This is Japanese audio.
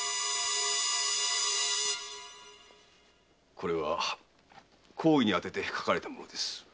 これは公儀にあてて書かれたものです。